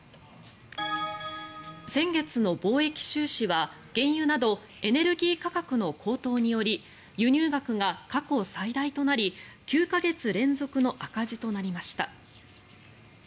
先月の貿易収支は原油などエネルギー価格の高騰により輸入額が過去最大となり９か月連続の赤字となりました。